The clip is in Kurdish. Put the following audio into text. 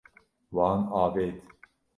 Wan avêt.